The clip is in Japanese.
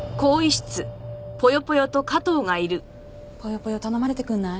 ぽよぽよ頼まれてくんない？